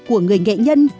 của người nghệ nhân